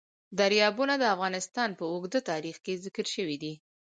دریابونه د افغانستان په اوږده تاریخ کې ذکر شوی دی.